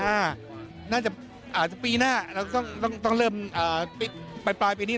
น่าจะอาจจะปีหน้าเราต้องเริ่มปลายปีนี้